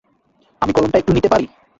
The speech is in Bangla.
আমি কলমটা একটু নিতে পারি?